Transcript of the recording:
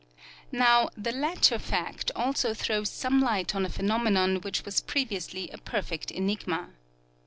Now, the latter fact also throws some light on a phenome non which Avas previously a perfect enigma.